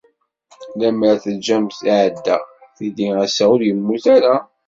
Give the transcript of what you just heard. Lemmer teǧǧam-t iɛedda, tili ass-a ur yemmut ara.